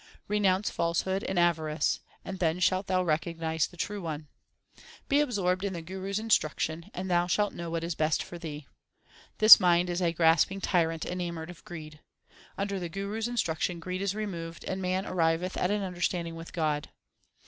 Renounce falsehood and avarice ; and then shalt thou recognize the True One. Be absorbed in the Guru s instruction, and thou shalt know what is best for thee. This mind is a grasping tyrant enamoured of greed : Under the Guru s instruction greed is removed, and man arriveth at an understanding with God.